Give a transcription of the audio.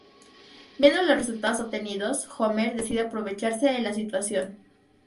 Viendo los resultados obtenidos, Homer decide aprovecharse de la situación.